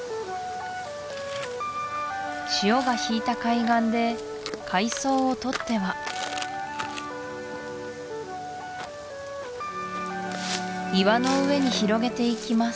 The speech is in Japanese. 潮が引いた海岸で海藻を採っては岩の上に広げていきます